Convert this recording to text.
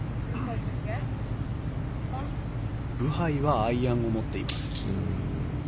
ブハイはアイアンを持っています。